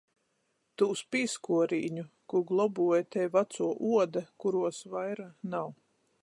Tūs pīskuorīņu, kū globuoja tei vacuo uoda, kuruos vaira nav.